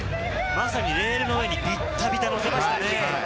まさにレールの上にビッタビタでしたね。